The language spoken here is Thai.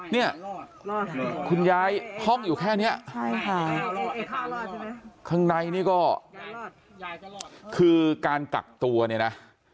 เนี่ยคุณยายห้องอยู่แค่นี้ใช่ค่ะข้างในนี่ก็คือการกักตัวเนี่ยนะ